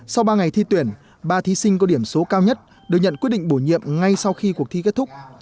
sau ba ngày thi tuyển ba thí sinh có điểm số cao nhất được nhận quyết định bổ nhiệm ngay sau khi cuộc thi kết thúc